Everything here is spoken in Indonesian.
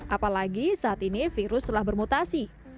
apalagi saat ini virus telah bermutasi